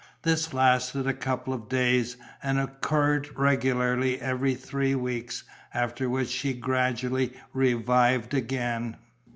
This lasted for a couple of days and occurred regularly every three weeks, after which she gradually revived again.